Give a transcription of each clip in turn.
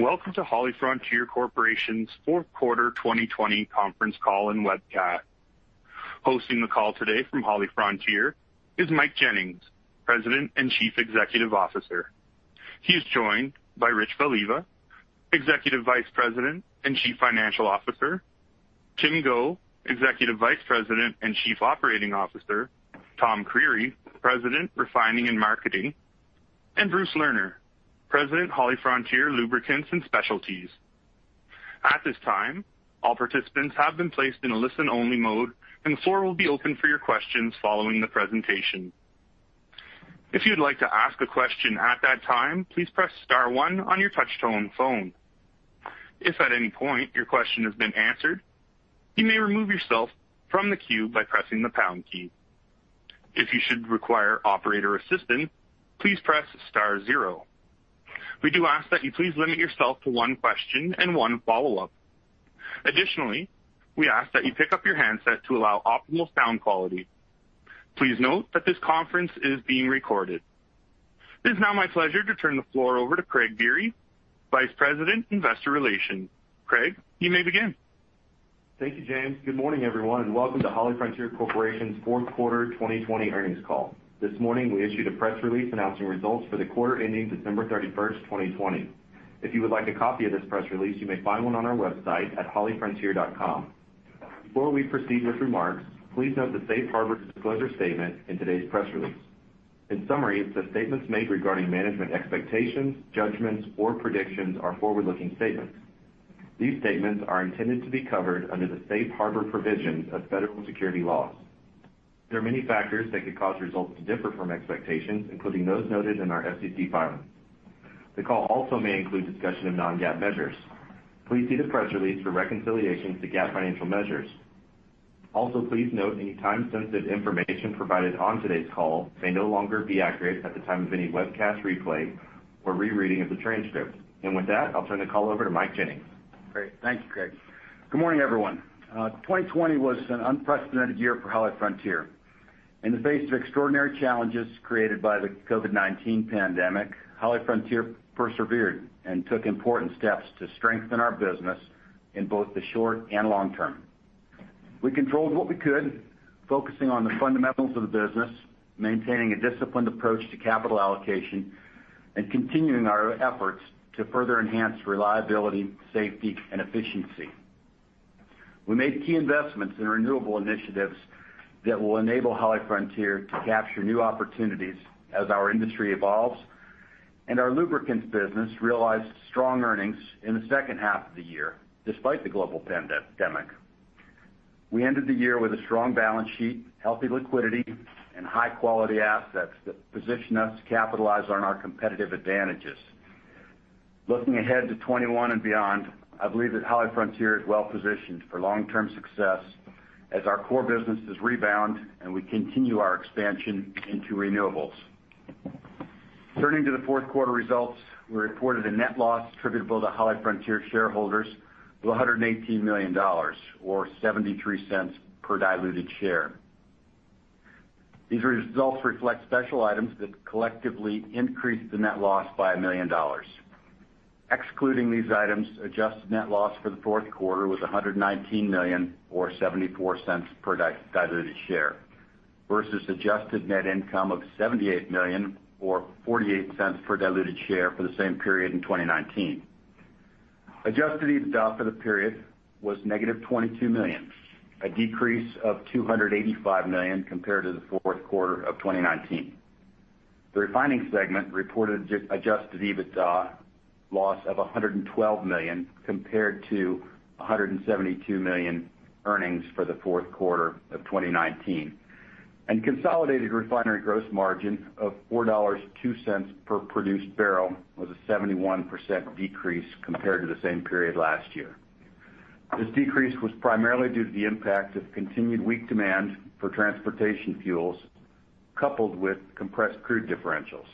Welcome to HollyFrontier Corporation's fourth quarter 2020 conference call and webcast. Hosting the call today from HollyFrontier is Mike Jennings, President and Chief Executive Officer. He's joined by Rich Voliva, Executive Vice President and Chief Financial Officer, Tim Go, Executive Vice President and Chief Operating Officer, Tom Creery, President, Refining and Marketing, and Bruce Lerner, President, HollyFrontier Lubricants and Specialties. At this time, all participants have been placed in a listen-only mode, and the floor will be open for your questions following the presentation. If you'd like to ask a question at that time, please press star one on your touch-tone phone. If at any point your question has been answered, you may remove yourself from the queue by pressing the pound key. If you should require operator assistance, please press star zero. We do ask that you please limit yourself to one question and one follow-up. Additionally, we ask that you pick up your handset to allow optimal sound quality. Please note that this conference is being recorded. It is now my pleasure to turn the floor over to Craig Biery, Vice President, Investor Relations. Craig, you may begin. Thank you, James. Good morning, everyone, and welcome to HollyFrontier Corporation's fourth quarter 2020 earnings call. This morning, we issued a press release announcing results for the quarter ending December 31st, 2020. If you would like a copy of this press release, you may find one on our website at hollyfrontier.com. Before we proceed with remarks, please note the safe harbor disclosure statement in today's press release. In summary, the statements made regarding management expectations, judgments, or predictions are forward-looking statements. These statements are intended to be covered under the Safe Harbor provisions of federal security laws. There are many factors that could cause results to differ from expectations, including those noted in our SEC filings. The call also may include discussion of non-GAAP measures. Please see the press release for reconciliations to GAAP financial measures. Also, please note any time-sensitive information provided on today's call may no longer be accurate at the time of any webcast replay or rereading of the transcript. With that, I'll turn the call over to Michael Jennings. Great. Thank you, Craig. Good morning, everyone. 2020 was an unprecedented year for HollyFrontier. In the face of extraordinary challenges created by the COVID-19 pandemic, HollyFrontier persevered and took important steps to strengthen our business in both the short and long term. We controlled what we could, focusing on the fundamentals of the business, maintaining a disciplined approach to capital allocation, and continuing our efforts to further enhance reliability, safety, and efficiency. We made key investments in renewable initiatives that will enable HollyFrontier to capture new opportunities as our industry evolves, and our lubricants business realized strong earnings in the second half of the year, despite the global pandemic. We ended the year with a strong balance sheet, healthy liquidity, and high-quality assets that position us to capitalize on our competitive advantages. Looking ahead to 2021 and beyond, I believe that HollyFrontier is well-positioned for long-term success as our core businesses rebound and we continue our expansion into renewables. Turning to the fourth quarter results, we reported a net loss attributable to HollyFrontier shareholders of $118 million, or $0.73 per diluted share. These results reflect special items that collectively increased the net loss by $1 million. Excluding these items, adjusted net loss for the fourth quarter was $119 million or $0.74 per diluted share versus adjusted net income of $78 million or $0.48 per diluted share for the same period in 2019. Adjusted EBITDA for the period was negative $22 million, a decrease of $285 million compared to the fourth quarter of 2019. The refining segment reported Adjusted EBITDA loss of $112 million compared to $172 million earnings for the fourth quarter of 2019, and consolidated refinery gross margin of $4.02 per produced barrel was a 71% decrease compared to the same period last year. This decrease was primarily due to the impact of continued weak demand for transportation fuels, coupled with compressed crude differentials.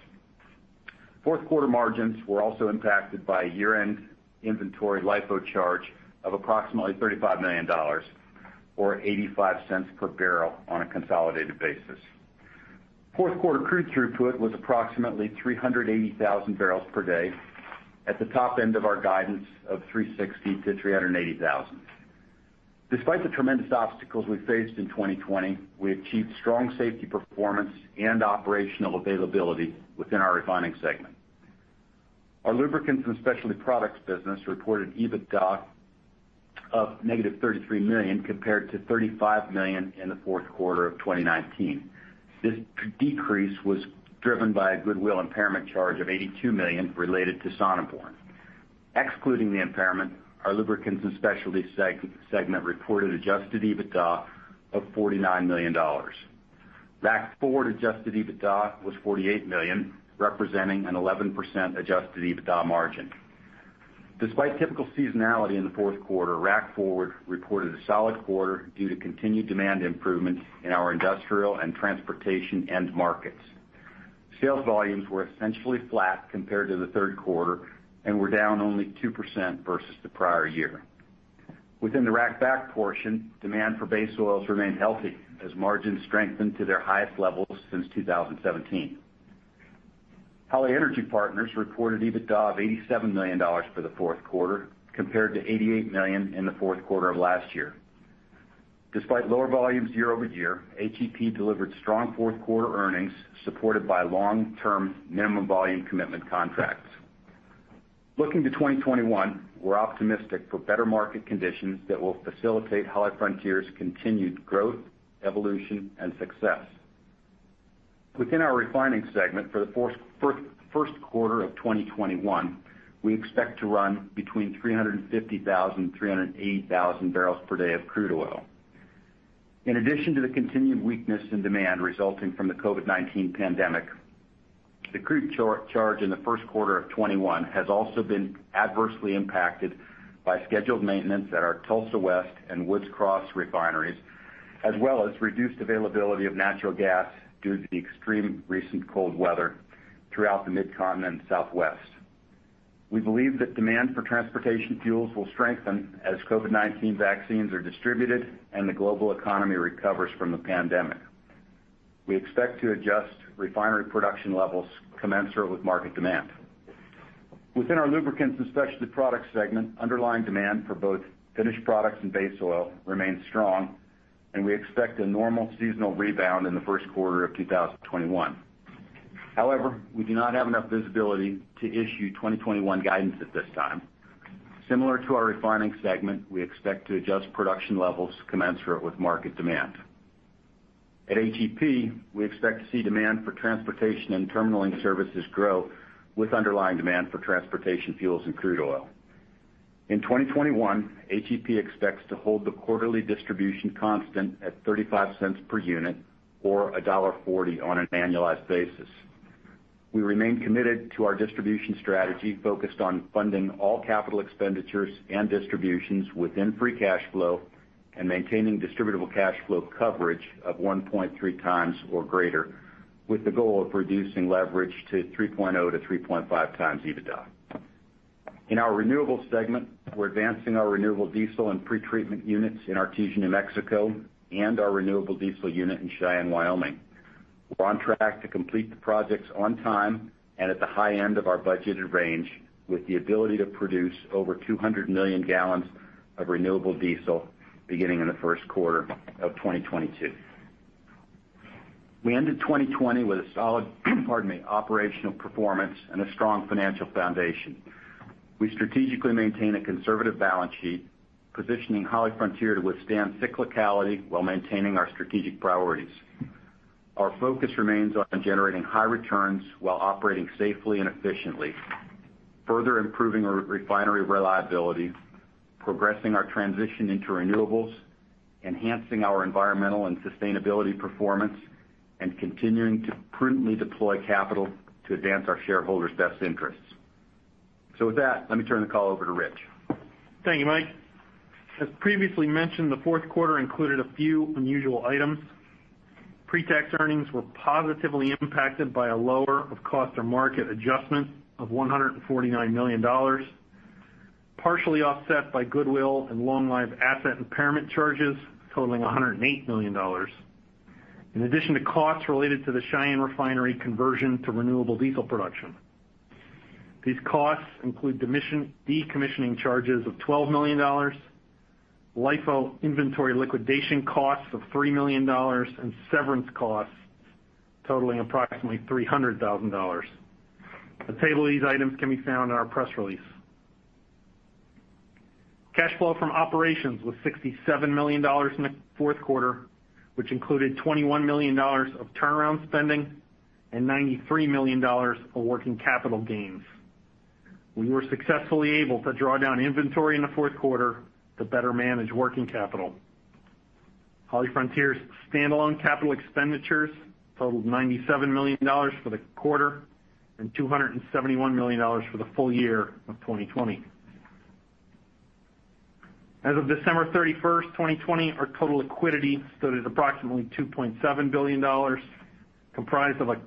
Fourth quarter margins were also impacted by a year-end inventory LIFO charge of approximately $35 million, or $0.85 per barrel on a consolidated basis. Fourth quarter crude throughput was approximately 380,000 barrels per day at the top end of our guidance of 360,000-380,000. Despite the tremendous obstacles we faced in 2020, we achieved strong safety performance and operational availability within our refining segment. Our lubricants and specialty products business reported EBITDA of -$33 million compared to $35 million in the fourth quarter of 2019. This decrease was driven by a goodwill impairment charge of $82 million related to Sonneborn. Excluding the impairment, our Lubricants & Specialties segment reported Adjusted EBITDA of $49 million. rack forward adjusted EBITDA was $48 million, representing an 11% Adjusted EBITDA margin. Despite typical seasonality in the fourth quarter, rack forward reported a solid quarter due to continued demand improvement in our industrial and transportation end markets. Sales volumes were essentially flat compared to the third quarter and were down only 2% versus the prior year. Within the rack back portion, demand for base oils remained healthy as margins strengthened to their highest levels since 2017. Holly Energy Partners reported EBITDA of $87 million for the fourth quarter, compared to $88 million in the fourth quarter of last year. Despite lower volumes year-over-year, HEP delivered strong fourth quarter earnings supported by long-term minimum volume commitment contracts. Looking to 2021, we're optimistic for better market conditions that will facilitate HollyFrontier's continued growth, evolution, and success. Within our refining segment for the first quarter of 2021, we expect to run between 350,000-380,000 barrels per day of crude oil. In addition to the continued weakness in demand resulting from the COVID-19 pandemic, the crude charge in the first quarter of 2021 has also been adversely impacted by scheduled maintenance at our Tulsa West and Woods Cross refineries, as well as reduced availability of natural gas due to the extreme recent cold weather throughout the mid-continent Southwest. We believe that demand for transportation fuels will strengthen as COVID-19 vaccines are distributed and the global economy recovers from the pandemic. We expect to adjust refinery production levels commensurate with market demand. Within our Lubricants and Specialties segment, underlying demand for both finished products and base oil remains strong, and we expect a normal seasonal rebound in the first quarter of 2021. However, we do not have enough visibility to issue 2021 guidance at this time. Similar to our Refining segment, we expect to adjust production levels commensurate with market demand. HEP, we expect to see demand for transportation and terminaling services grow with underlying demand for transportation fuels and crude oil. In 2021, HEP expects to hold the quarterly distribution constant at $0.35 per unit or $1.40 on an annualized basis. We remain committed to our distribution strategy focused on funding all capital expenditures and distributions within free cash flow and maintaining distributable cash flow coverage of 1.3x or greater, with the goal of reducing leverage to 3.0x-3.5x EBITDA. In our renewables segment, we're advancing our renewable diesel and pretreatment units in Artesia, New Mexico, and our renewable diesel unit in Cheyenne, Wyoming. We're on track to complete the projects on time and at the high end of our budgeted range, with the ability to produce over 200 million gallons of renewable diesel beginning in the first quarter of 2022. We ended 2020 with a solid operational performance and a strong financial foundation. We strategically maintain a conservative balance sheet, positioning HollyFrontier to withstand cyclicality while maintaining our strategic priorities. Our focus remains on generating high returns while operating safely and efficiently, further improving our refinery reliability, progressing our transition into renewables, enhancing our environmental and sustainability performance, and continuing to prudently deploy capital to advance our shareholders' best interests. With that, let me turn the call over to Rich. Thank you, Mike. As previously mentioned, the fourth quarter included a few unusual items. Pre-tax earnings were positively impacted by a lower of cost or market adjustment of $149 million, partially offset by goodwill and long-lived asset impairment charges totaling $108 million, in addition to costs related to the Cheyenne refinery conversion to renewable diesel production. These costs include decommissioning charges of $12 million, LIFO inventory liquidation costs of $3 million and severance costs totaling approximately $300,000. A table of these items can be found in our press release. Cash flow from operations was $67 million in the fourth quarter, which included $21 million of turnaround spending and $93 million of working capital gains. We were successfully able to draw down inventory in the fourth quarter to better manage working capital. HollyFrontier's standalone capital expenditures totaled $97 million for the quarter and $271 million for the full year of 2020. As of December 31st, 2020, our total liquidity stood at approximately $2.7 billion, comprised of a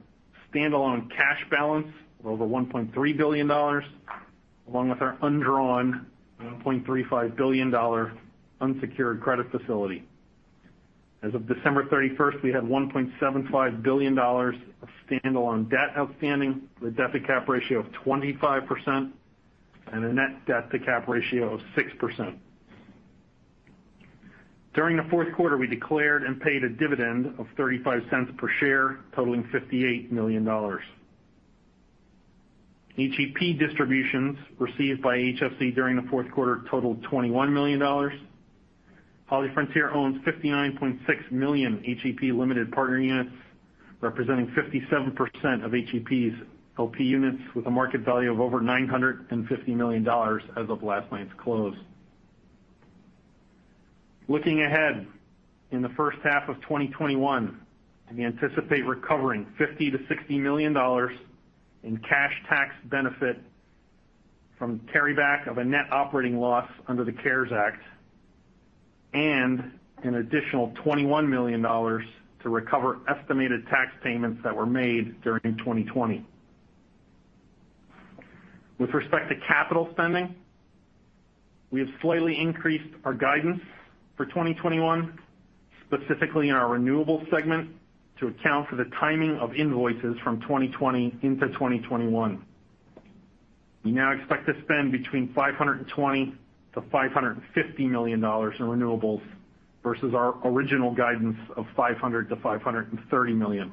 standalone cash balance of over $1.3 billion, along with our undrawn $1.35 billion unsecured credit facility. As of December 31st, we had $1.75 billion of standalone debt outstanding with a debt-to-cap ratio of 25% and a net debt-to-cap ratio of 6%. During the fourth quarter, we declared and paid a dividend of $0.35 per share, totaling $58 million. HEP distributions received by HFC during the fourth quarter totaled $21 million. HollyFrontier owns 59.6 million HEP limited partner units, representing 57% of HEP's LP units, with a market value of over $950 million as of last night's close. Looking ahead, in the first half of 2021, we anticipate recovering $50 million-$60 million in cash tax benefit from carryback of a net operating loss under the CARES Act and an additional $21 million to recover estimated tax payments that were made during 2020. With respect to capital spending, we have slightly increased our guidance for 2021, specifically in our renewables segment, to account for the timing of invoices from 2020 into 2021. We now expect to spend between $520 million and $550 million in renewables versus our original guidance of $500 million-$530 million.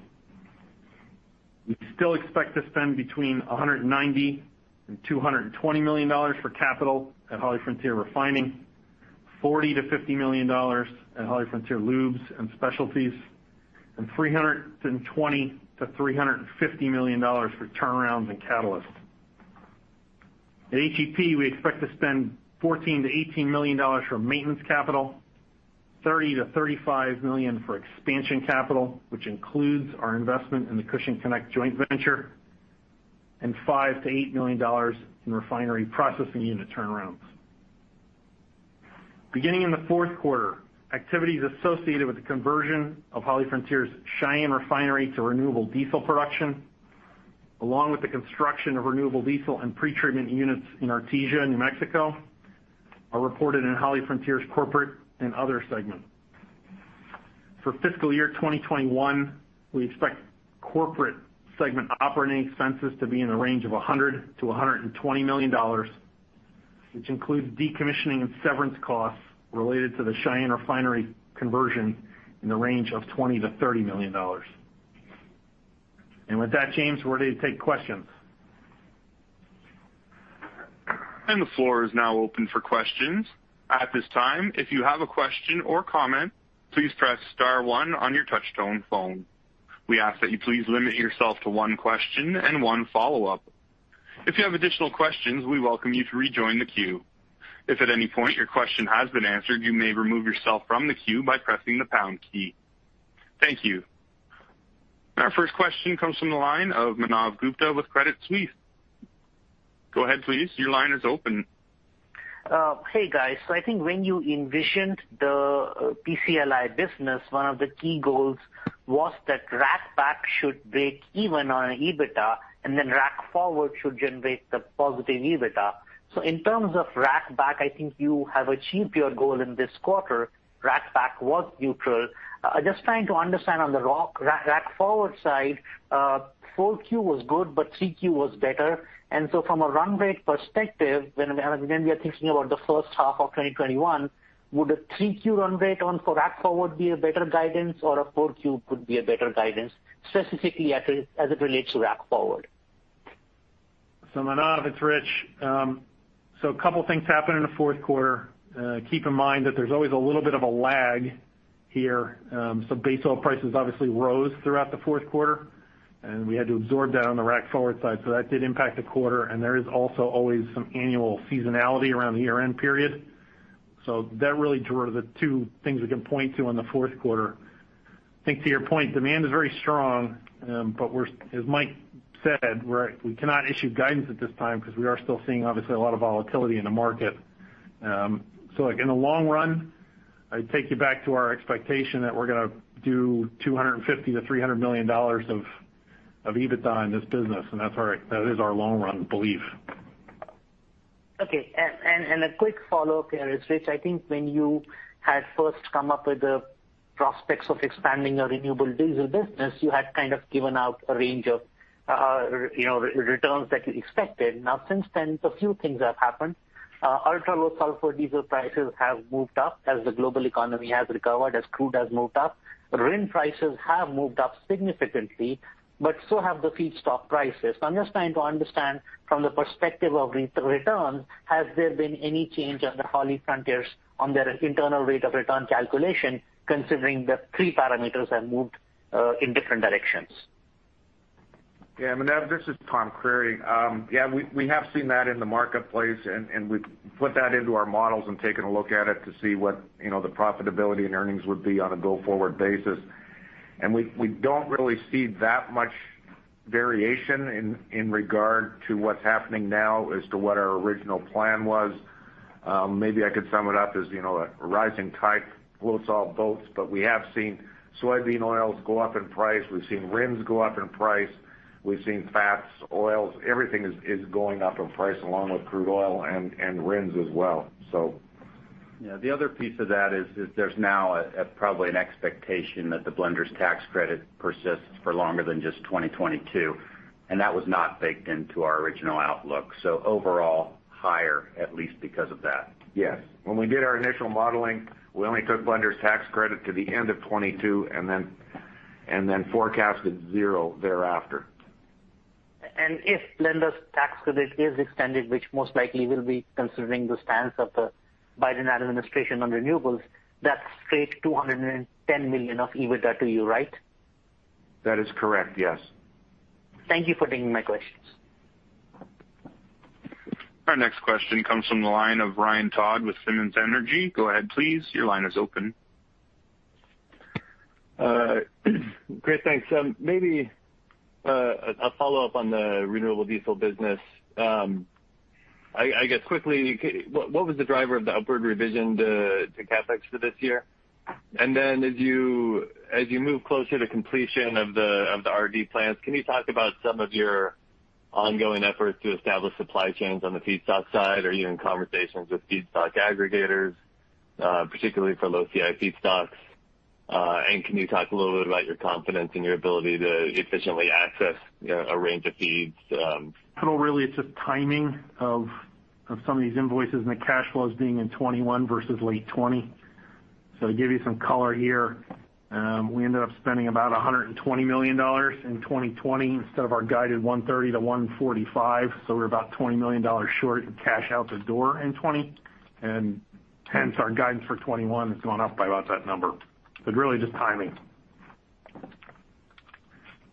We still expect to spend between $190 million and $220 million for capital at HollyFrontier Refining, $40 million-$50 million at HollyFrontier Lubs and Specialties, and $320 million-$350 million for turnarounds and catalysts. HEP, we expect to spend $14 million-$18 million for maintenance capital, $30 million-$35 million for expansion capital, which includes our investment in the Cushing Connect joint venture, and $5 million-$8 million in refinery processing unit turnarounds. Beginning in the fourth quarter, activities associated with the conversion of HollyFrontier's Cheyenne Refinery to renewable diesel production, along with the construction of renewable diesel and pretreatment units in Artesia, New Mexico, are reported in HollyFrontier's corporate and other segments. For fiscal year 2021, we expect corporate segment operating expenses to be in the range of $100 million-$120 million, which includes decommissioning and severance costs related to the Cheyenne Refinery conversion in the range of $20 million-$30 million. With that, James, we're ready to take questions. The floor is now open for questions. At this time, if you have a question or comment, please press star one on your touch-tone phone. We ask that you please limit yourself to one question and one follow-up. If you have additional questions, we welcome you to rejoin the queue. If at any point your question has been answered, you may remove yourself from the queue by pressing the pound key. Thank you. Our first question comes from the line of Manav Gupta with Credit Suisse. Go ahead, please. Your line is open. Hey, guys. I think when you envisioned the PCLI business, one of the key goals was that rack back should break even on an EBITDA, and then rack forward should generate the positive EBITDA. In terms of rack back, I think you have achieved your goal in this quarter. Rack back was neutral. Just trying to understand on the rack forward side, Q4 was good, but Q3 was better. From a run rate perspective, when we are thinking about the first half of 2021, would a Q3 run rate on for rack forward be a better guidance or a Q4 could be a better guidance, specifically as it relates to rack forward? Manav, it's Rich. A couple things happened in the fourth quarter. Keep in mind that there's always a little bit of a lag here. Base oil prices obviously rose throughout the fourth quarter, and we had to absorb that on the rack forward side. That did impact the quarter, and there is also always some annual seasonality around the year-end period. That really were the two things we can point to in the fourth quarter. I think to your point, demand is very strong. As Mike said, we cannot issue guidance at this time because we are still seeing obviously a lot of volatility in the market. In the long run, I'd take you back to our expectation that we're going to do $250 million to $300 million of EBITDA in this business, and that is our long-run belief. Okay. A quick follow-up here is, Rich, I think when you had first come up with the prospects of expanding your renewable diesel business, you had kind of given out a range of returns that you expected. Since then, a few things have happened. Ultra-low sulfur diesel prices have moved up as the global economy has recovered, as crude has moved up. RIN prices have moved up significantly, but so have the feedstock prices. I'm just trying to understand from the perspective of return, has there been any change under HollyFrontier on their internal rate of return calculation, considering the three parameters have moved in different directions? Yeah, Manav, this is Tom Creary. Yeah, we have seen that in the marketplace, and we've put that into our models and taken a look at it to see what the profitability and earnings would be on a go-forward basis. We don't really see that much variation in regard to what's happening now as to what our original plan was. Maybe I could sum it up as a rising tide floats all boats, but we have seen soybean oils go up in price. We've seen RINs go up in price. We've seen fats, oils, everything is going up in price along with crude oil and RINs as well. Yeah. The other piece of that is there's now probably an expectation that the Blenders' Tax Credit persists for longer than just 2022, and that was not baked into our original outlook. Overall higher, at least because of that. Yes. When we did our initial modeling, we only took Blenders' Tax Credit to the end of 2022 and then forecasted zero thereafter. If Biodiesel Blenders' Tax Credit is extended, which most likely will be considering the stance of the Biden administration on renewables, that's straight $210 million of EBITDA to you, right? That is correct, yes. Thank you for taking my questions. Our next question comes from the line of Ryan Todd with Simmons Energy. Go ahead, please. Your line is open. Great. Thanks. Maybe a follow-up on the renewable diesel business. I guess quickly, what was the driver of the upward revision to CapEx for this year? Then as you move closer to completion of the RD plans, can you talk about some of your ongoing efforts to establish supply chains on the feedstock side? Are you in conversations with feedstock aggregators, particularly for low CI feedstocks? Can you talk a little bit about your confidence in your ability to efficiently access a range of feeds? No, really, it's just timing of some of these invoices and the cash flows being in 2021 versus late 2020. To give you some color here, we ended up spending about $120 million in 2020 instead of our guided $130 million-$145 million. We're about $20 million short in cash out the door in 2020, hence our guidance for 2021 has gone up by about that number. Really just timing.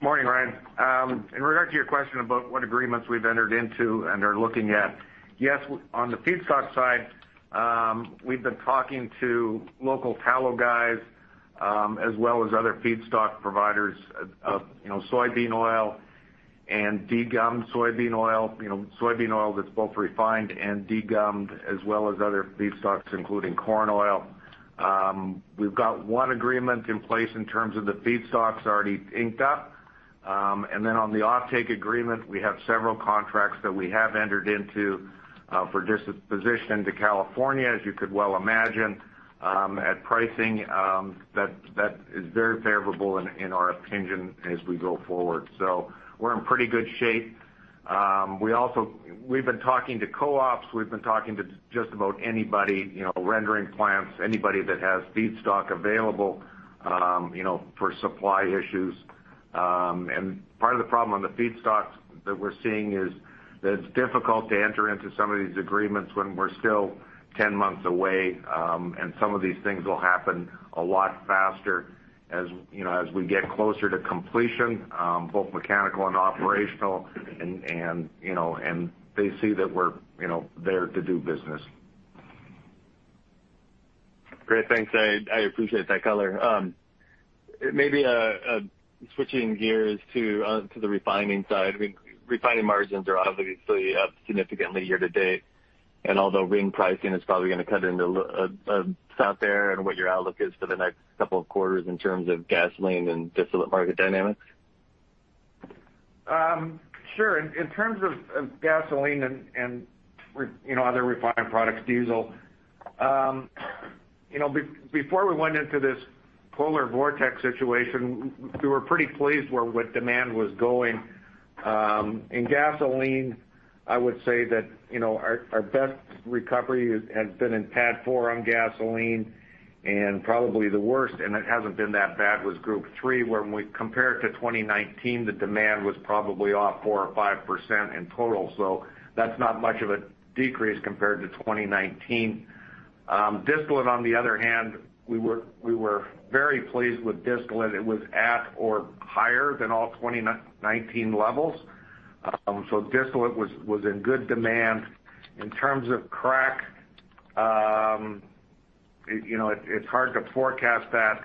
Morning, Ryan. In regard to your question about what agreements we've entered into and are looking at, yes, on the feedstock side, we've been talking to local tallow guys, as well as other feedstock providers of soybean oil and degummed soybean oil, soybean oil that's both refined and degummed, as well as other feedstocks, including corn oil. We've got one agreement in place in terms of the feedstocks already inked up. On the offtake agreement, we have several contracts that we have entered into for disposition to California, as you could well imagine, at pricing that is very favorable in our opinion as we go forward. We're in pretty good shape. We've been talking to co-ops. We've been talking to just about anybody, rendering plants, anybody that has feedstock available for supply issues. Part of the problem on the feedstocks that we're seeing is that it's difficult to enter into some of these agreements when we're still 10 months away, and some of these things will happen a lot faster as we get closer to completion, both mechanical and operational, and they see that we're there to do business. Great. Thanks. I appreciate that color. Maybe switching gears to the refining side. refining margins are obviously up significantly year-to-date, and although RIN pricing is probably going to cut into that there and what your outlook is for the next couple of quarters in terms of gasoline and distillate market dynamics? Sure. In terms of gasoline and other refined products, diesel. Before we went into this polar vortex situation, we were pretty pleased where demand was going. In gasoline, I would say that our best recovery has been in PADD 4 on gasoline and probably the worst, and it hasn't been that bad, was PADD 3, where when we compare it to 2019, the demand was probably off 4% or 5% in total. That's not much of a decrease compared to 2019. Distillate, on the other hand, we were very pleased with distillate. It was at or higher than all 2019 levels. Distillate was in good demand. In terms of crack, it's hard to forecast that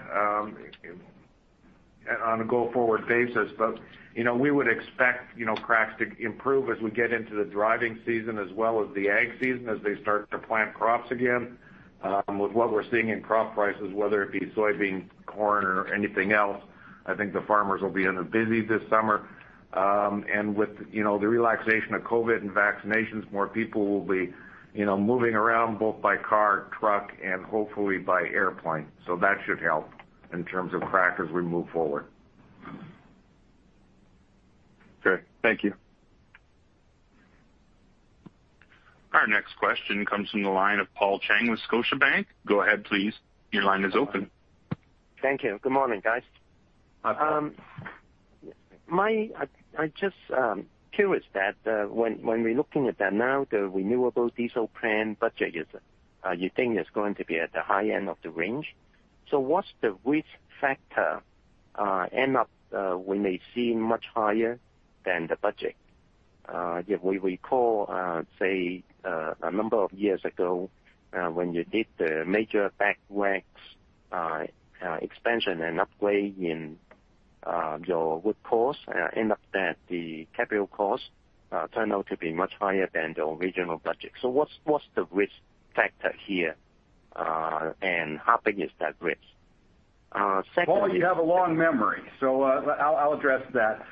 on a go-forward basis, but we would expect cracks to improve as we get into the driving season as well as the ag season as they start to plant crops again. With what we're seeing in crop prices, whether it be soybean, corn, or anything else, I think the farmers will be in a busy this summer. With the relaxation of COVID and vaccinations, more people will be moving around both by car, truck, and hopefully by airplane. That should help in terms of crack as we move forward. Okay. Thank you. Our next question comes from the line of Paul Cheng with Scotiabank. Go ahead, please. Your line is open. Thank you. Good morning, guys. Hi, Paul. I'm just curious that when we're looking at that now, the renewable diesel plan budget you think is going to be at the high end of the range. What's the risk factor end up we may see much higher than the budget? If we recall, say, a number of years ago, when you did the major black wax expansion and upgrade in your Woods Cross, end up that the capital cost turned out to be much higher than the original budget. What's the risk factor here? How big is that risk? Secondly- Paul, you have a long memory, so I'll address that.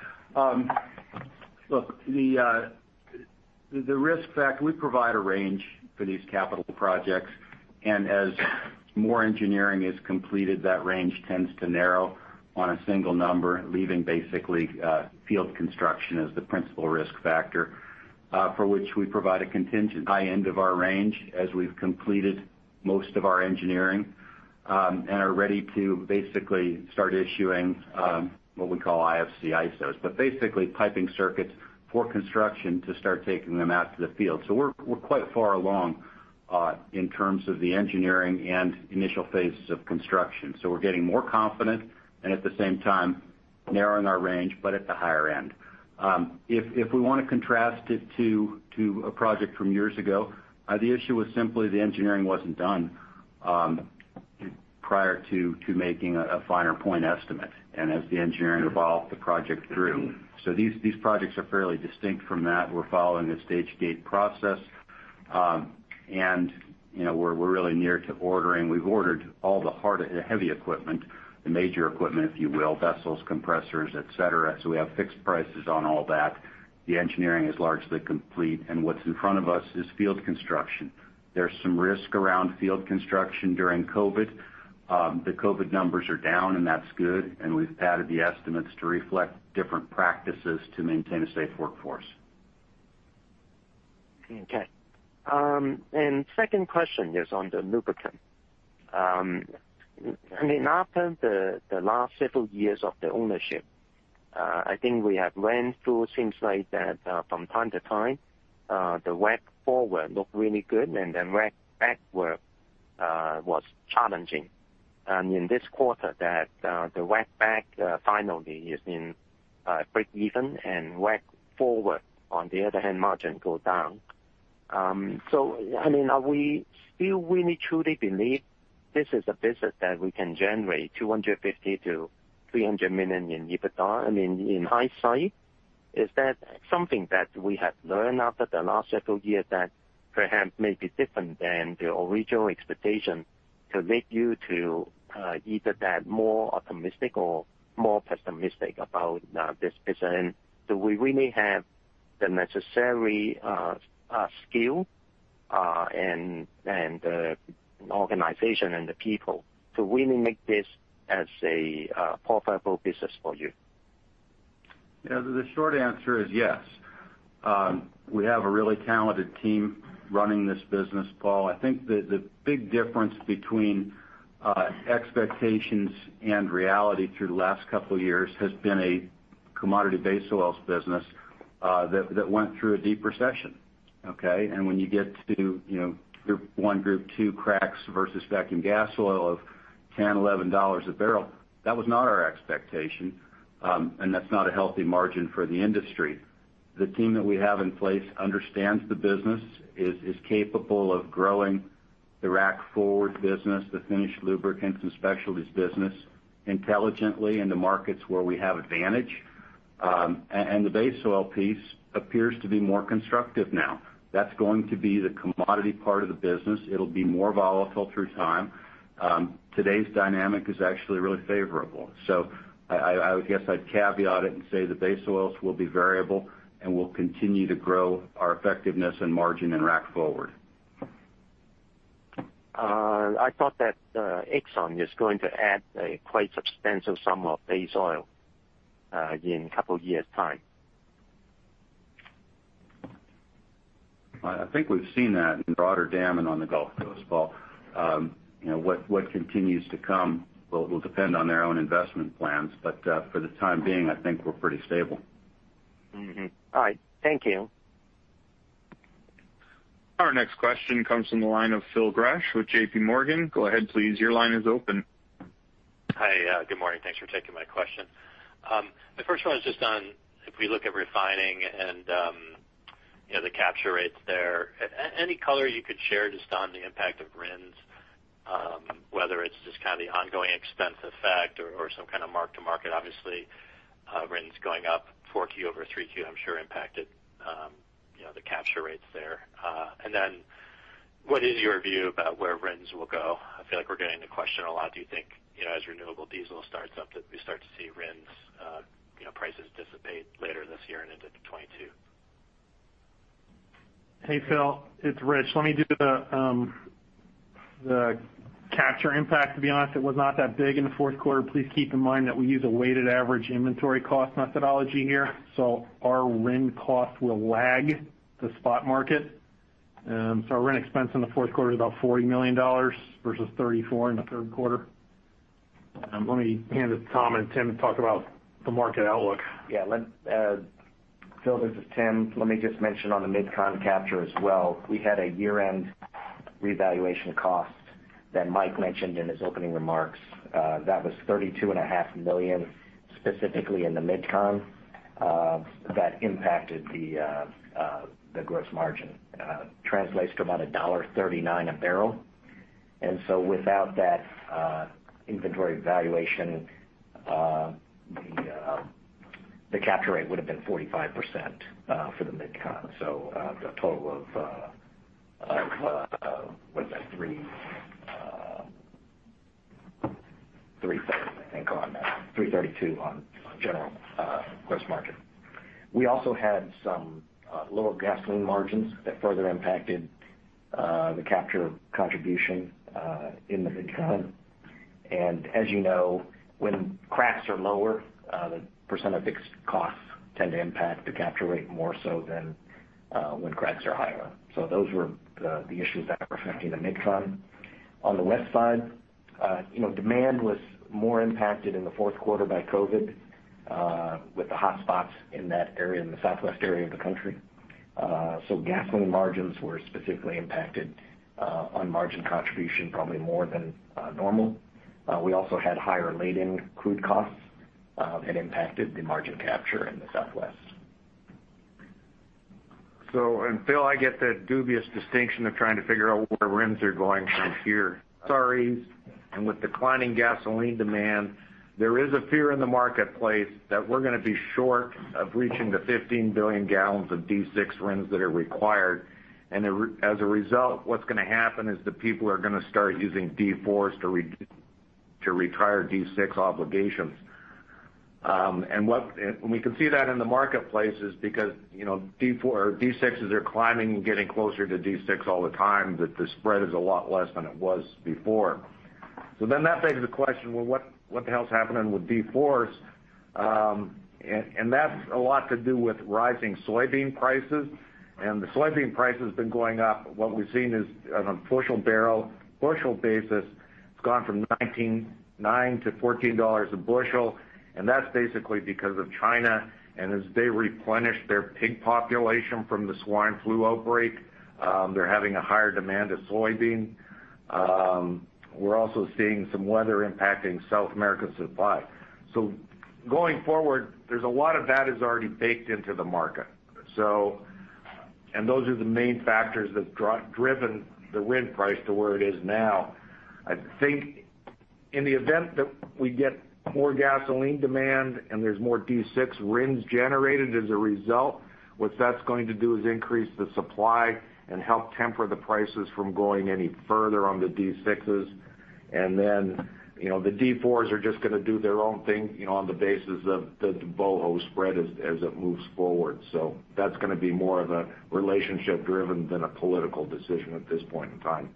Look, the risk factor, we provide a range for these capital projects, and as more engineering is completed, that range tends to narrow on a single number, leaving basically field construction as the principal risk factor for which we provide a contingent high end of our range as we've completed most of our engineering and are ready to basically start issuing what we call IFC ISOs. Basically, piping circuits for construction to start taking them out to the field. We're quite far along in terms of the engineering and initial phases of construction. We're getting more confident and at the same time narrowing our range, but at the higher end. If we want to contrast it to a project from years ago, the issue was simply the engineering wasn't done. Prior to making a finer point estimate and as the engineering evolved the project through. These projects are fairly distinct from that. We're following a stage gate process. We're really near to ordering. We've ordered all the heavy equipment, the major equipment, if you will, vessels, compressors, et cetera. We have fixed prices on all that. The engineering is largely complete, and what's in front of us is field construction. There's some risk around field construction during COVID. The COVID numbers are down, and that's good, and we've padded the estimates to reflect different practices to maintain a safe workforce. Okay. Second question is on the lubricant. After the last several years of the ownership, I think we have run through things like that from time to time. The rack forward looked really good and then rack back was challenging. In this quarter, the rack back finally is in break even and rack forward, on the other hand, margin go down. Are we still really truly believe this is a business that we can generate $250 million-$300 million in EBITDA? In hindsight, is that something that we have learned after the last several years that perhaps may be different than the original expectation to make you to either that more optimistic or more pessimistic about this business? Do we really have the necessary skill and the organization and the people to really make this as a profitable business for you? Yeah. The short answer is yes. We have a really talented team running this business, Paul. I think the big difference between expectations and reality through the last couple of years has been a commodity base oils business, that went through a deep recession, okay? When you get to Group I, Group II cracks versus vacuum gas oil of $10, $11 a barrel, that was not our expectation. That's not a healthy margin for the industry. The team that we have in place understands the business, is capable of growing the rack forward business, the finished lubricants and specialties business intelligently in the markets where we have advantage. The base oil piece appears to be more constructive now. That's going to be the commodity part of the business. It'll be more volatile through time. Today's dynamic is actually really favorable. I would guess I'd caveat it and say the base oils will be variable, and we'll continue to grow our effectiveness and margin in rack forward. I thought that Exxon is going to add a quite substantial sum of base oil, in a couple of years' time. I think we've seen that in broader PADD and on the Gulf Coast, Paul. What continues to come will depend on their own investment plans, but, for the time being, I think we're pretty stable. Mm-hmm. All right. Thank you. Our next question comes from the line of Phil Gresh with JPMorgan. Hi. Good morning. Thanks for taking my question. The first one is just on, if we look at refining and the capture rates there, any color you could share just on the impact of RINs, whether it's just kind of the ongoing expense effect or some kind of mark-to-market, obviously, RINs going up 4Q over 3Q, I'm sure impacted the capture rates there. What is your view about where RINs will go? I feel like we're getting the question a lot. Do you think, as renewable diesel starts up, that we start to see RINs prices dissipate later this year and into 2022? Hey, Phil. It's Rich. Let me do the capture impact. To be honest, it was not that big in the fourth quarter. Please keep in mind that we use a weighted average inventory cost methodology here, so our RIN cost will lag the spot market. Our RIN expense in the fourth quarter is about $40 million versus $34 million in the third quarter. Let me hand it to Tom and Tim to talk about the market outlook. Yeah, Phil, this is Tim. Let me just mention on the MidCon capture as well. We had a year-end revaluation cost that Mike mentioned in his opening remarks. That was $32.5 million, specifically in the MidCon, that impacted the gross margin. Translates to about $1.39 a barrel. Without that inventory valuation, the capture rate would've been 45% for the MidCon. The total of, what is that? $330, I think, on that, $332 on general gross margin. We also had some lower gasoline margins that further impacted the capture contribution in the MidCon. As you know, when cracks are lower, the percent of fixed costs tend to impact the capture rate more so than when cracks are higher. Those were the issues that were affecting the MidCon. On the west side, demand was more impacted in the fourth quarter by COVID, with the hotspots in that area, in the southwest area of the country. Gasoline margins were specifically impacted on margin contribution, probably more than normal. We also had higher laid-in crude costs that impacted the margin capture in the southwest. Phil, I get the dubious distinction of trying to figure out where RINs are going from here. Sorry. With declining gasoline demand, there is a fear in the marketplace that we're going to be short of reaching the 15 billion gallons of D6 RINs that are required. As a result, what's going to happen is that people are going to start using D4s to retire D6 obligations. We can see that in the marketplaces because D6s are climbing and getting closer to D6 all the time, that the spread is a lot less than it was before. That begs the question, well, what the hell's happening with D4s? That's a lot to do with rising soybean prices. The soybean price has been going up. What we've seen is on a bushel basis, it's gone from [$19.9] to $14 a bushel, that's basically because of China. As they replenish their pig population from the swine flu outbreak, they're having a higher demand of soybean. We're also seeing some weather impacting South American supply. Going forward, there's a lot of that is already baked into the market. Those are the main factors that driven the RIN price to where it is now. I think in the event that we get more gasoline demand and there's more D6 RINs generated as a result, what that's going to do is increase the supply and help temper the prices from going any further on the D6s. The D4s are just going to do their own thing, on the basis of the BOHO spread as it moves forward. That's going to be more of a relationship driven than a political decision at this point in time.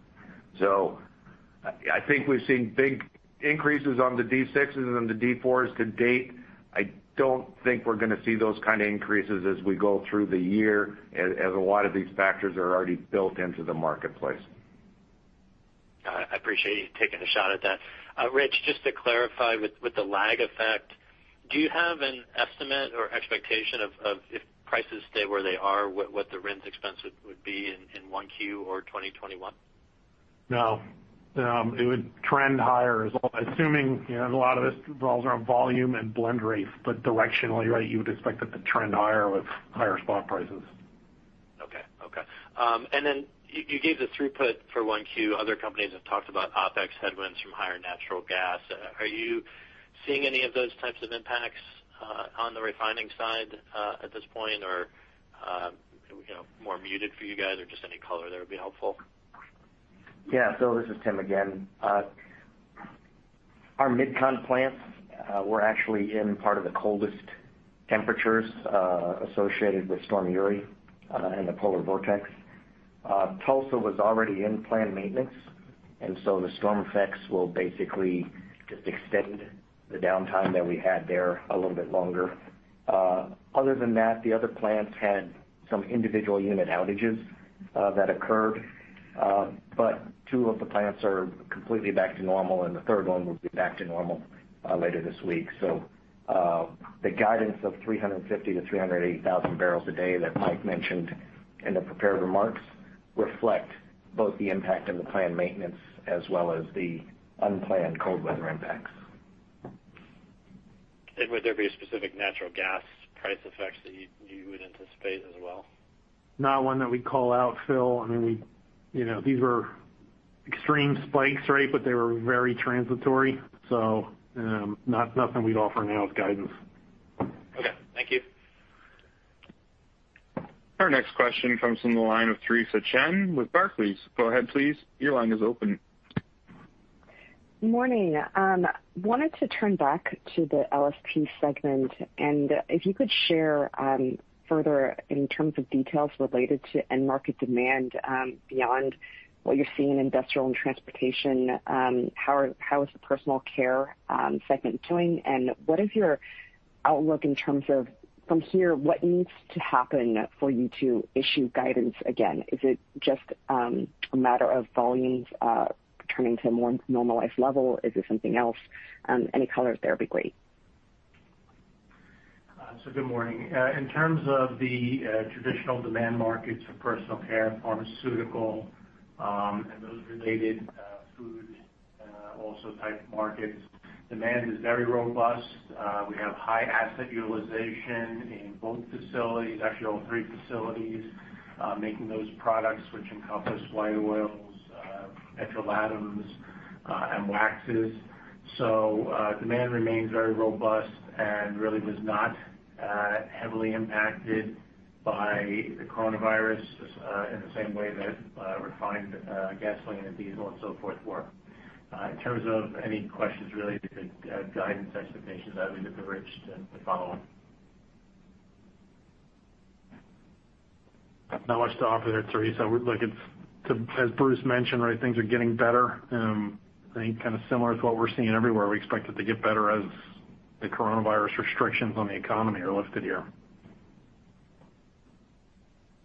I think we've seen big increases on the D6s and the D4s to date. I don't think we're going to see those kinds of increases as we go through the year as a lot of these factors are already built into the marketplace. Got it. I appreciate you taking a shot at that. Rich, just to clarify with the lag effect, do you have an estimate or expectation of if prices stay where they are, what the RINs expense would be in 1Q or 2021? No. It would trend higher as well, assuming, a lot of this revolves around volume and blend rate, but directionally, you would expect it to trend higher with higher spot prices. Okay. You gave the throughput for 1Q. Other companies have talked about OpEx headwinds from higher natural gas. Are you seeing any of those types of impacts on the refining side at this point? More muted for you guys, or just any color there would be helpful. Phil, this is Tim again. Our MidCon plants were actually in part of the coldest temperatures associated with Storm Uri and the polar vortex. Tulsa was already in planned maintenance. The storm effects will basically just extend the downtime that we had there a little bit longer. Other than that, the other plants had some individual unit outages that occurred. Two of the plants are completely back to normal, and the third one will be back to normal later this week. The guidance of 350,000 to 380,000 barrels a day that Mike mentioned in the prepared remarks reflect both the impact and the planned maintenance as well as the unplanned cold weather impacts. Would there be a specific natural gas price effects that you would anticipate as well? Not one that we'd call out, Phil. These were extreme spikes. They were very transitory. Nothing we'd offer now as guidance. Okay. Thank you. Our next question comes from the line of Theresa Chen with Barclays. Go ahead, please. Your line is open. Morning. Wanted to turn back to the LSP segment, and if you could share further in terms of details related to end market demand beyond what you're seeing in industrial and transportation. How is the personal care segment doing, and what is your outlook in terms of from here, what needs to happen for you to issue guidance again? Is it just a matter of volumes returning to a more normalized level? Is it something else? Any color there would be great. Good morning. In terms of the traditional demand markets for personal care, pharmaceutical, and those related food also type markets, demand is very robust. We have high asset utilization in both facilities. Actually, all three facilities making those products which encompass white oils, petrolatums, and waxes. Demand remains very robust and really was not heavily impacted by the COVID-19 in the same way that refined gasoline and diesel and so forth were. In terms of any questions related to guidance expectations, I would defer Rich to follow on. Not much to offer there, Theresa. As Bruce mentioned, things are getting better. I think kind of similar to what we're seeing everywhere. We expect it to get better as the coronavirus restrictions on the economy are lifted here.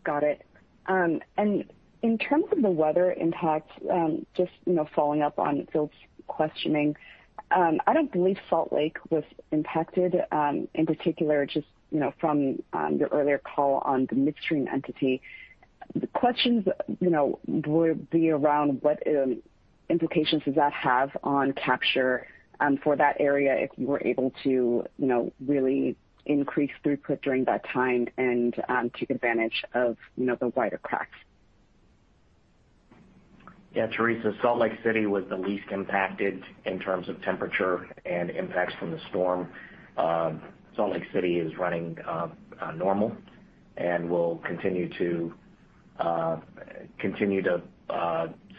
Got it. In terms of the weather impact, just following up on Phil's questioning. I don't believe Salt Lake was impacted, in particular, just from your earlier call on the midstream entity. The questions would be around what implications does that have on capture for that area if you were able to really increase throughput during that time and take advantage of the wider cracks? Yeah, Theresa, Salt Lake City was the least impacted in terms of temperature and impacts from the storm. Salt Lake City is running normal and will continue to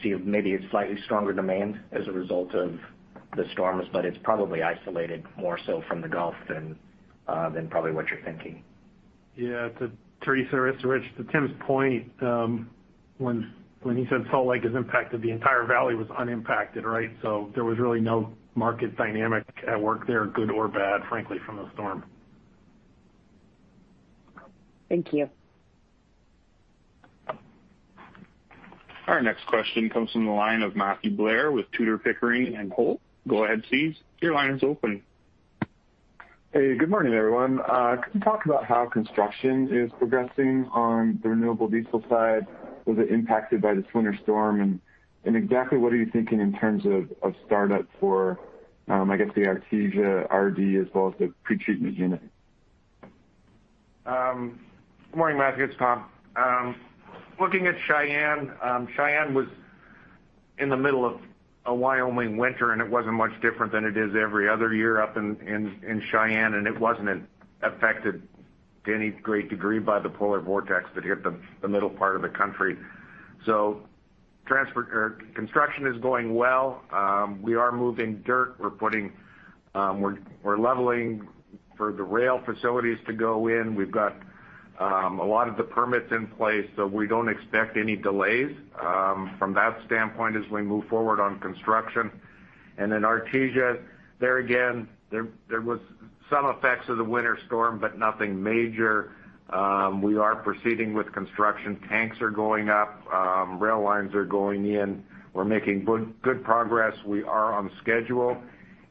see maybe a slightly stronger demand as a result of the storms, but it's probably isolated more so from the Gulf than probably what you're thinking. Yeah. Theresa, it's Rich. To Tim's point, when he said Salt Lake is impacted, the entire valley was unimpacted, right? There was really no market dynamic at work there, good or bad, frankly, from the storm. Thank you. Our next question comes from the line of Matthew Blair with Tudor, Pickering, and Holt. Go ahead, please. Your line is open. Hey, good morning, everyone. Could you talk about how construction is progressing on the renewable diesel side? Was it impacted by this winter storm? Exactly what are you thinking in terms of startup for, I guess the Artesia RD as well as the pretreatment unit? Good morning, Matthew, it's Tom. Looking at Cheyenne was in the middle of a Wyoming winter, and it wasn't much different than it is every other year up in Cheyenne, and it wasn't affected to any great degree by the polar vortex that hit the middle part of the country. Construction is going well. We are moving dirt. We're leveling for the rail facilities to go in. We've got a lot of the permits in place, so we don't expect any delays from that standpoint as we move forward on construction. Artesia, there again, there was some effects of the winter storm, but nothing major. We are proceeding with construction. Tanks are going up. Rail lines are going in. We're making good progress. We are on schedule.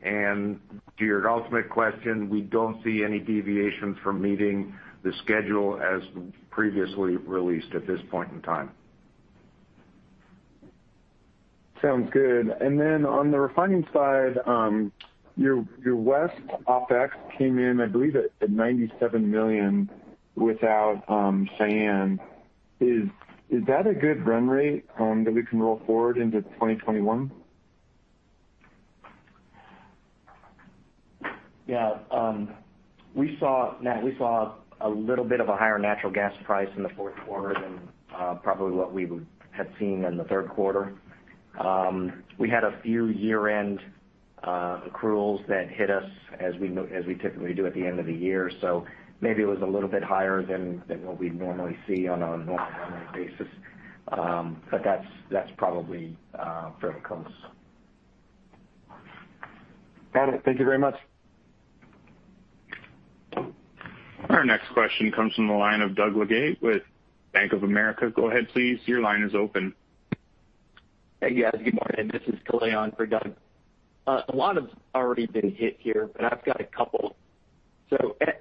To your ultimate question, we don't see any deviations from meeting the schedule as previously released at this point in time. Sounds good. On the refining side, your West OpEx came in, I believe, at $97 million without Cheyenne. Is that a good run rate that we can roll forward into 2021? Yeah. We saw a little bit of a higher natural gas price in the fourth quarter than probably what we had seen in the third quarter. We had a few year-end accruals that hit us as we typically do at the end of the year. Maybe it was a little bit higher than what we'd normally see on a normal run rate basis. That's probably fairly close. Got it. Thank you very much. Our next question comes from the line of Doug Leggate with Bank of America. Go ahead, please. Hey, guys. Good morning. This is Kalei on for Doug. A lot has already been hit here. I've got a couple.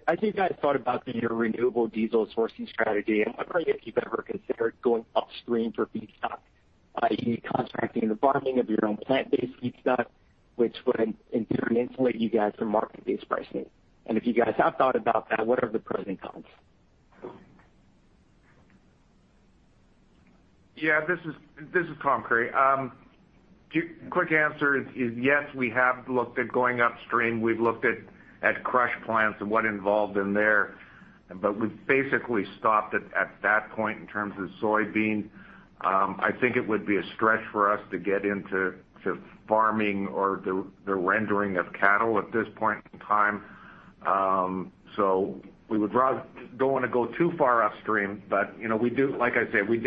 As you guys thought about your renewable diesel sourcing strategy, I'm wondering if you've ever considered going upstream for feedstock, i.e., contracting the farming of your own plant-based feedstock, which would in turn insulate you guys from market-based pricing. If you guys have thought about that, what are the pros and cons? Yeah, this is Tom Creary. Quick answer is, yes, we have looked at going upstream. We've looked at crush plants and what involved in there, but we've basically stopped at that point in terms of soybean. I think it would be a stretch for us to get into farming or the rendering of cattle at this point in time. We don't want to go too far upstream, but like I said, we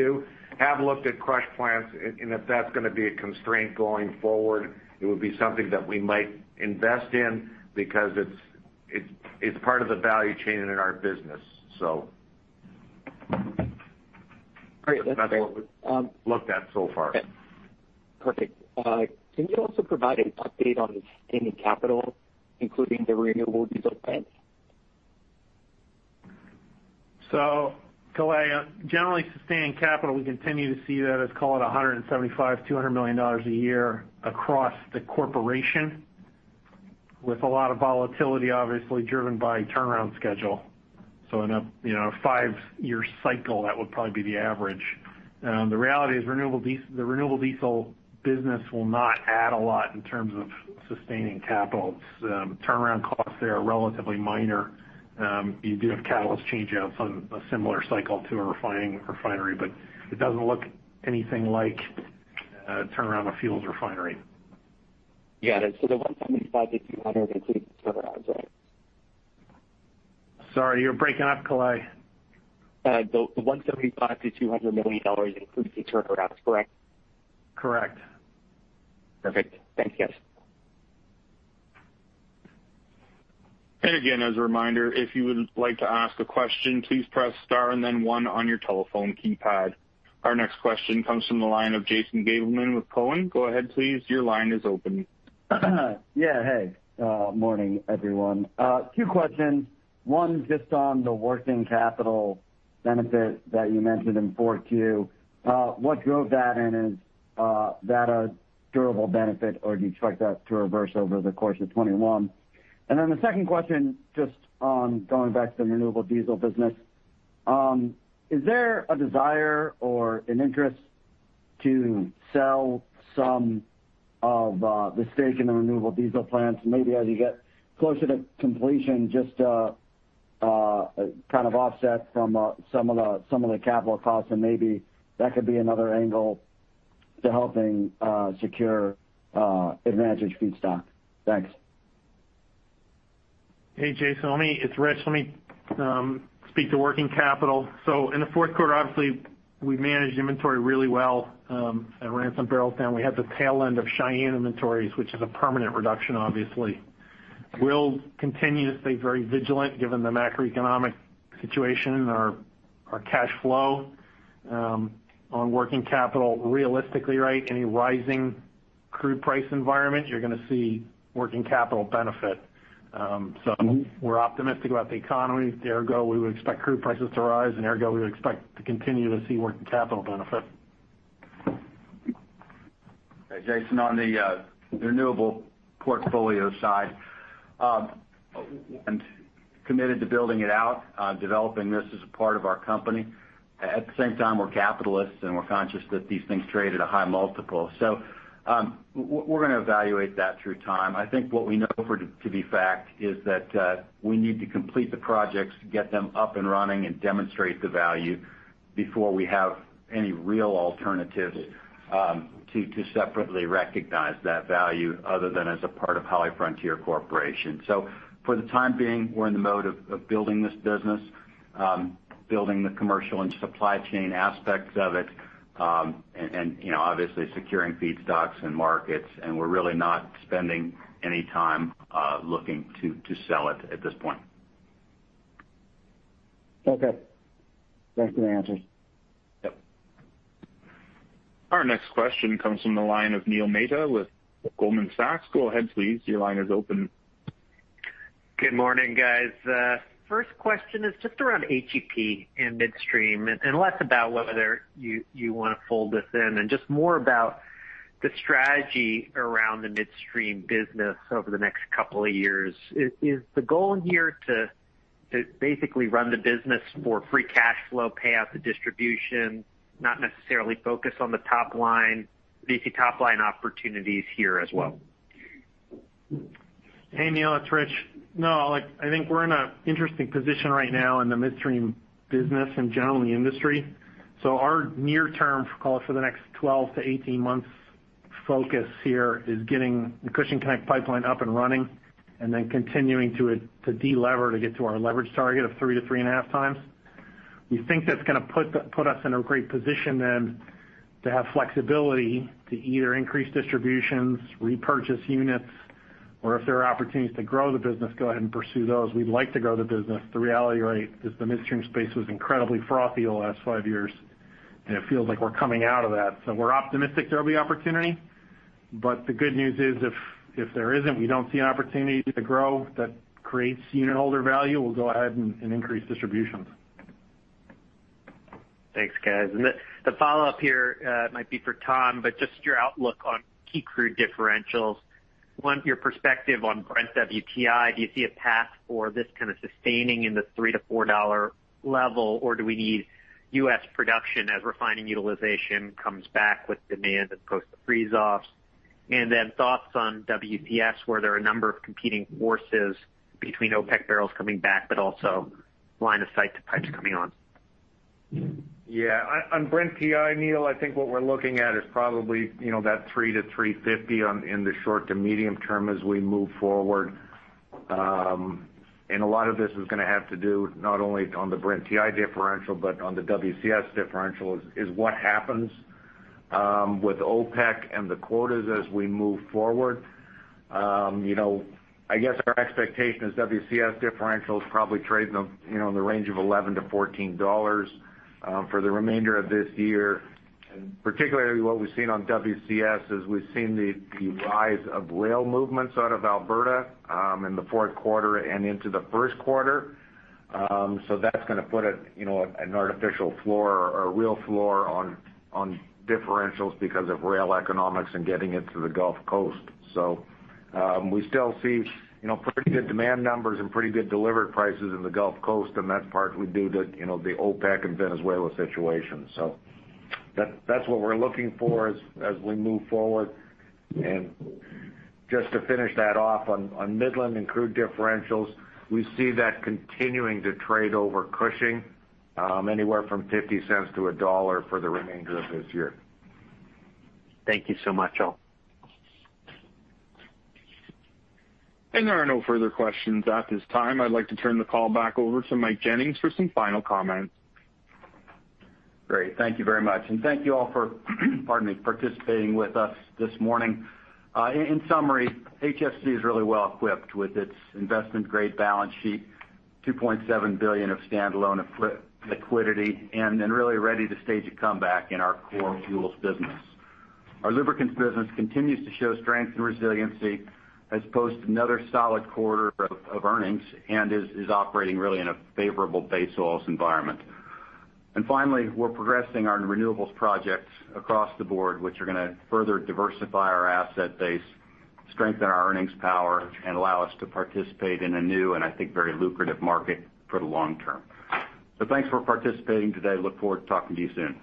have looked at crush plants, and if that's going to be a constraint going forward, it would be something that we might invest in because it's part of the value chain in our business. Great. That's great. That's what we've looked at so far. Okay. Perfect. Can you also provide an update on the sustaining capital, including the renewable diesel plants? Kalei, generally sustaining capital, we continue to see that as, call it 175, $200 million a year across the Corporation with a lot of volatility, obviously driven by turnaround schedule. In a five-year cycle, that would probably be the average. The reality is the renewable diesel business will not add a lot in terms of sustaining capital. Turnaround costs there are relatively minor. You do have catalyst change-outs on a similar cycle to a refinery, but it doesn't look anything like a turnaround of fuels refinery. Got it. The $175-$200 includes turnaround, correct? Sorry, you're breaking up, Kalei. The $175 million-$200 million includes the turnaround, that's correct? Correct. Perfect. Thank you, guys. Again, as a reminder, if you would like to ask a question, please press star and then one on your telephone keypad. Our next question comes from the line of Jason Gabelman with Cowen. Go ahead please, your line is open. Yeah. Hey. Morning, everyone. Two questions. One just on the working capital benefit that you mentioned in Q4. What drove that? Is that a durable benefit or do you expect that to reverse over the course of 2021? The second question just on going back to the renewable diesel business. Is there a desire or an interest to sell some of the stake in the renewable diesel plants maybe as you get closer to completion just to kind of offset some of the capital costs and maybe that could be another angle to helping secure advantage feedstock? Thanks. Hey, Jason. It's Rich. Let me speak to working capital. In the fourth quarter, obviously we managed inventory really well and ran some barrels down. We had the tail end of Cheyenne inventories, which is a permanent reduction obviously. We'll continue to stay very vigilant given the macroeconomic situation and our cash flow on working capital realistically, right? Any rising crude price environment, you're going to see working capital benefit. We're optimistic about the economy, ergo, we would expect crude prices to rise and ergo we would expect to continue to see working capital benefit. Hey, Jason. On the renewable portfolio side. We're committed to building it out, developing this as a part of our company. At the same time, we're capitalists and we're conscious that these things trade at a high multiple. We're going to evaluate that through time. I think what we know to be fact is that we need to complete the projects, get them up and running and demonstrate the value before we have any real alternatives to separately recognize that value other than as a part of HollyFrontier Corporation. So for the time being, we're in the mode of building this business, building the commercial and supply chain aspects of it, and obviously securing feedstocks and markets, and we're really not spending any time looking to sell it at this point. Okay. Thanks for the answers. Yep. Our next question comes from the line of Neil Mehta with Goldman Sachs. Go ahead please, your line is open. Good morning, guys. First question is just around HEP and midstream and less about whether you want to fold this in and just more about the strategy around the midstream business over the next couple of years. Is the goal here to basically run the business for free cash flow, pay out the distribution, not necessarily focus on the top line? Do you see top-line opportunities here as well? Hey, Neil, it's Rich. I think we're in an interesting position right now in the midstream business and generally industry. Our near term, call it for the next 12-18 months focus here is getting the Cushing Connect Pipeline up and running and then continuing to de-lever to get to our leverage target of 3x to 3.5x. We think that's going to put us in a great position to have flexibility to either increase distributions, repurchase units, or if there are opportunities to grow the business, go ahead and pursue those. We'd like to grow the business. The reality, right, is the midstream space was incredibly frothy the last five years, and it feels like we're coming out of that. We're optimistic there'll be opportunity, but the good news is if there isn't, we don't see an opportunity to grow that creates unitholder value, we'll go ahead and increase distributions. Thanks, guys. The follow-up here might be for Tom, but just your outlook on key crude differentials. One, your perspective on Brent WTI. Do you see a path for this kind of sustaining in the $3-$4 level or do we need U.S. production as refining utilization comes back with demand as opposed to freeze offs? Thoughts on WCS where there are a number of competing forces between OPEC barrels coming back but also line of sight to pipes coming on. Yeah. On Brent WTI, Neil, I think what we're looking at is probably that $3-$3.50 in the short to medium term as we move forward. A lot of this is going to have to do not only on the Brent WTI differential, but on the WCS differential is what happens with OPEC and the quotas as we move forward. I guess our expectation is WCS differential is probably trading in the range of $11-$14 for the remainder of this year. Particularly what we've seen on WCS is we've seen the rise of rail movements out of Alberta in the fourth quarter and into the first quarter. That's going to put an artificial floor or real floor on differentials because of rail economics and getting it to the Gulf Coast. We still see pretty good demand numbers and pretty good delivered prices in the Gulf Coast, and that's partly due to the OPEC and Venezuela situation. That's what we're looking for as we move forward. Just to finish that off, on Midland and crude differentials, we see that continuing to trade over Cushing anywhere from $0.50 to $1.00 for the remainder of this year. Thank you so much, all. There are no further questions at this time. I'd like to turn the call back over to Michael Jennings for some final comments. Great. Thank you very much. Thank you all for, pardon me, participating with us this morning. In summary, HFC is really well equipped with its investment-grade balance sheet, $2.7 billion of standalone liquidity, and then really ready to stage a comeback in our core fuels business. Our Lubricants business continues to show strength and resiliency, has posted another solid quarter of earnings, and is operating really in a favorable base oils environment. Finally, we're progressing our renewables projects across the board, which are going to further diversify our asset base, strengthen our earnings power, and allow us to participate in a new and I think very lucrative market for the long term. Thanks for participating today. Look forward to talking to you soon.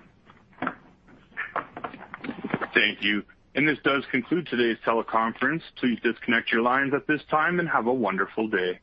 Thank you. This does conclude today's teleconference. Please disconnect your lines at this time and have a wonderful day.